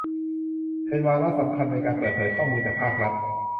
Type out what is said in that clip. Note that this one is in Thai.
เป็นวาระสำคัญในการเปิดเผยข้อมูลจากภาครัฐ